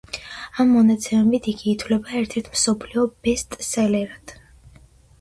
ამ მონაცემებით იგი ითვლება ერთ-ერთ მსოფლიო ბესტსელერად.